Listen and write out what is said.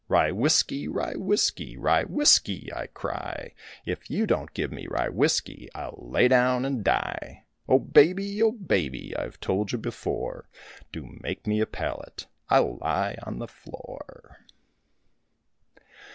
Rye whiskey, rye whiskey, Rye whiskey I cry, If you don't give me rye whiskey I'll lie down and die. O Baby, O Baby, I've told you before, Do make me a pallet, I'll lie on the floor.